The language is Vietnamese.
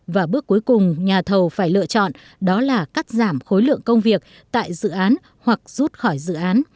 và bước cuối cùng nhà thầu phải lựa chọn đó là cắt giảm khối lượng công việc tại dự án hoặc rút khỏi dự án